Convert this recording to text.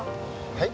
はい？